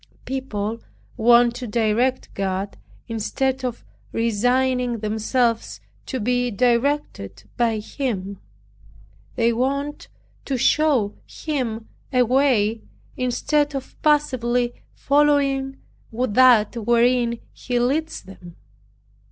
People want to direct God instead of resigning themselves to be directed by Him. They want to show Him a way, instead of passively following that wherein He leads them.